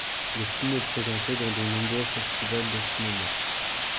Le film est présenté dans de nombreux festivals de cinéma.